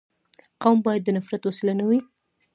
قوم باید د نفرت وسیله نه وي.